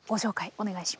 お願いします。